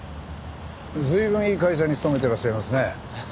随分いい会社に勤めてらっしゃいますね。